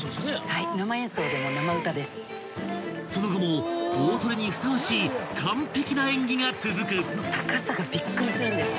［その後も大トリにふさわしい完璧な演技が続く］